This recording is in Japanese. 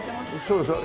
そうそう。